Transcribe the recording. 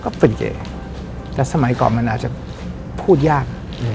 ก็เป็นเก๋แต่สมัยก่อนมันอาจจะพูดยาก